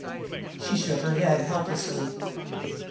She shook her head helplessly.